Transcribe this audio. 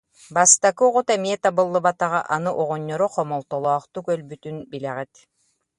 Бастакы оҕото эмиэ табыллыбатаҕа, аны оҕонньоро хомолтолоохтук өлбүтүн билэҕит